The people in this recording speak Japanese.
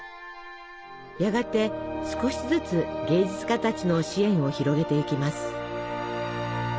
やがて少しずつ芸術家たちの支援を広げていきます。